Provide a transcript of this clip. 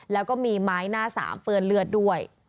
แล้วก็มีไม้หน้าสามเปื้อนเลือดด้วย